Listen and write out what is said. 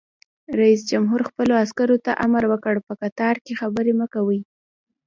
رئیس جمهور خپلو عسکرو ته امر وکړ؛ په قطار کې خبرې مه کوئ!